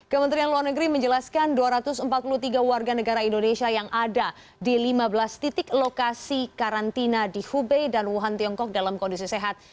kementerian luar negeri menjelaskan dua ratus empat puluh tiga warga negara indonesia yang ada di lima belas titik lokasi karantina di hubei dan wuhan tiongkok dalam kondisi sehat